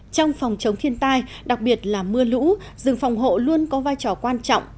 trong phòng chống thiên tai đặc biệt là mưa lũ rừng phòng hộ luôn có vai trò quan trọng